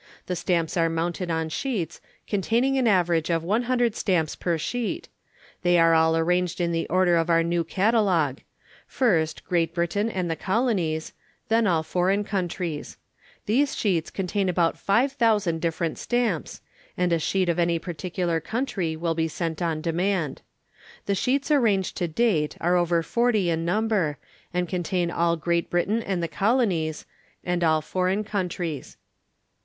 The Stamps are mounted on Sheets, containing an average of 100 Stamps per Sheet. They are all arranged in the order of our New Catalogue. First, Great Britain and the Colonies, then all Foreign Countries. These Sheets contain about 5,000 different Stamps, and a Sheet of any particular country will be sent on demand. The Sheets arranged to date are over forty in number, and contain all Great Britain and the Colonies, and all Foreign Countries.